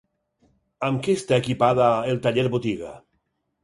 Amb què està equipada el taller-botiga?